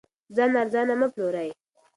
ځان ارزانه مه پلورئ.